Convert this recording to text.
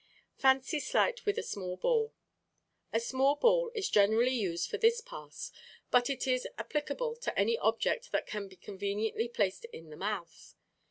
Fancy Sleight with a Small Ball.—A small ball is generally used for this "pass," but it is applicable to any object that can be conveniently placed in the mouth.